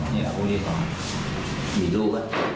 เมนบะเรียนไม่รู้